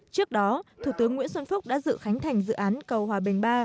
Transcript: trước đó thủ tướng nguyễn xuân phúc đã dự khánh thành dự án cầu hòa bình ba